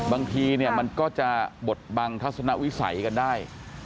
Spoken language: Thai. บางทีเนี่ยมันก็จะบดบังทัศนวิสัยกันได้